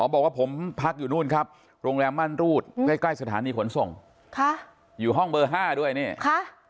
บอกว่าผมพักอยู่นู่นครับโรงแรมมั่นรูดใกล้ใกล้สถานีขนส่งค่ะอยู่ห้องเบอร์๕ด้วยนี่ค่ะ